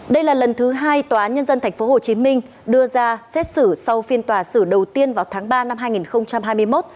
đây là lần thứ hai tòa nhân dân tp hcm đưa ra xét xử sau phiên tòa xử đầu tiên vào tháng ba năm hai nghìn hai mươi một